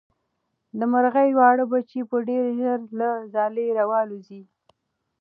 د مرغۍ واړه بچي به ډېر ژر له ځالې والوځي.